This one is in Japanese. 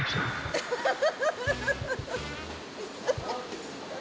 ハハハハ。